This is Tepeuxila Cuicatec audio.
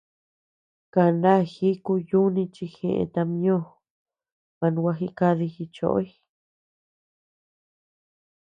Kaná jíku yuni chi jeʼë tama ñó, man gua jidadi jichoʼoy.